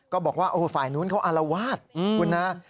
ก็บอกว่าโอ้ฝ่ายนู้นเขาอารวาสคุณนะ